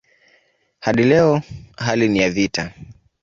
Hadi leo hali ni ya vita.